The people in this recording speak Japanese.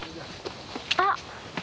あっ！